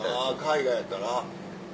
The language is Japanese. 海外やったら？